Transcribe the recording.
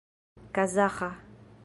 kazaĥa